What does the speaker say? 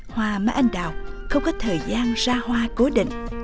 hoa mai anh đào không có thời gian ra hoa cố định